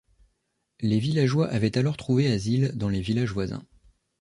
Les villageois avaient alors trouvé asile dans les villages voisins.